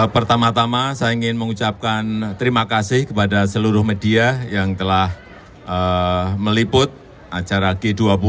pertama tama saya ingin mengucapkan terima kasih kepada seluruh media yang telah meliput acara g dua puluh